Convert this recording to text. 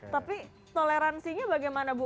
tapi toleransinya bagaimana bu